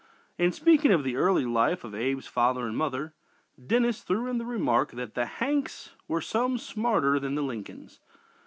In speaking of the early life of Abe's father and mother, Dennis threw in the remark that "the Hankses was some smarter than the Lincolns."